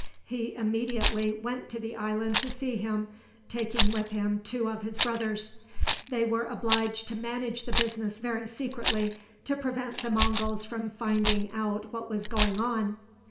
He immediately went to the island to see him, taking with him two of his brothers. They were obliged to manage the business very secretly, to prevent the Monguls from finding out what was going on.